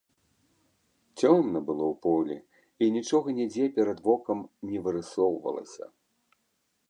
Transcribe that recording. Цёмна было ў полі і нічога нідзе перад вокам не вырысоўвалася.